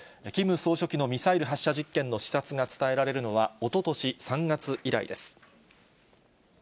キム総書記のミサイル発射実験の視察が伝えられるのは、おととし３月以来です。